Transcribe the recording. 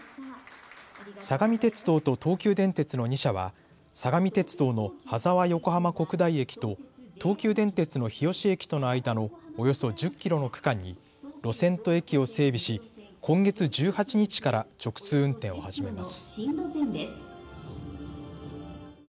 相模鉄道と東急電鉄の２社は相模鉄道の羽沢横浜国大駅と東急電鉄の日吉駅との間のおよそ１０キロの区間に路線と駅を整備し今月１８日から直通運転を始めます。